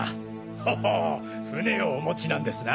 ほほう船をお持ちなんですな。